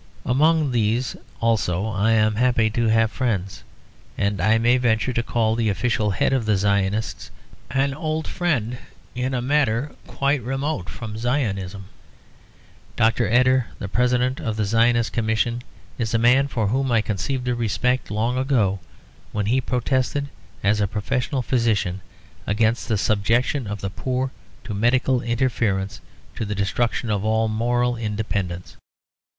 Among these also I am happy to have friends; and I may venture to call the official head of the Zionists an old friend in a matter quite remote from Zionism. Dr. Eder, the President of the Zionist Commission, is a man for whom I conceived a respect long ago when he protested, as a professional physician, against the subjection of the poor to medical interference to the destruction of all moral independence.